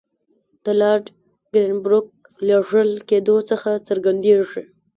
د لارډ کرېنبروک لېږل کېدلو څخه څرګندېږي.